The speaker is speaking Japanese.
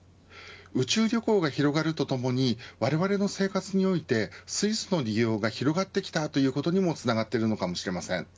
宇宙旅行が広がるとともにわれわれの生活において水素の利用が広がってきたということにもつながっているのかもしれません。